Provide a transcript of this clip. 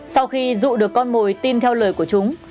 sau khi dụ được con mồi tin theo lời của chúng